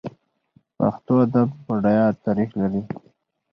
پښتو ادب بډای تاریخ لري.